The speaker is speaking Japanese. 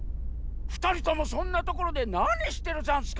ふたりともそんなところでなにしてるざんすか？